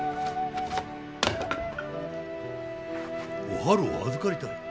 おはるを預かりたい？